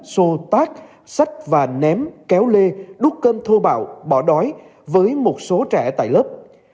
xô tác xách và ném kéo lê đút cơm thô bạo bỏ đói với một số trẻ tại lớp